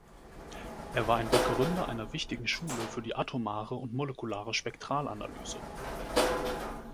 Er war Begründer einer wichtigen Schule für die atomare und molekulare Spektralanalyse.